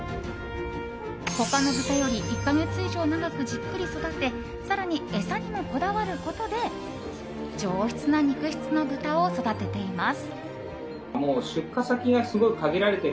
他の豚より１か月以上長くじっくり育て更に餌にもこだわることで上質な肉質の豚を育てています。